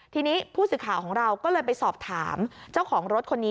ทีนี้ผู้สื่อข่าวของเราก็เลยไปสอบถามเจ้าของรถคนนี้